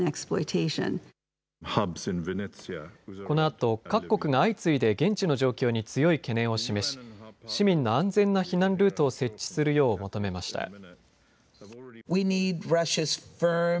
このあと各国が相次いで現地の状況に強い懸念を示し市民の安全な避難ルートを設置するよう求めました。